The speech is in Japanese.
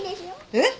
えっ？